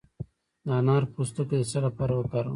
د انار پوستکی د څه لپاره وکاروم؟